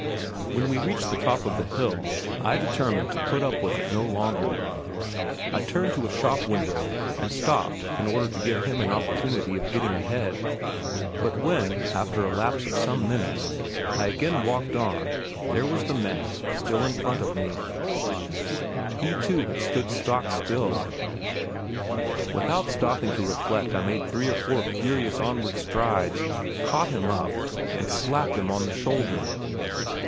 When we reached the top of the hill I determined to put up with it no longer. I turned to a shop window and stopped in order to give him an opportunity of getting ahead, but when, after a lapse of some minutes, I again walked on there was the man still in front of me he too had stood stock still, without stopping to reflect I made three or four furious onward strides, caught him up, and slapped him on the shoulder.